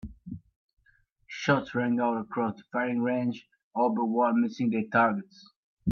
Shots rang out across the firing range, all but one missing their targets.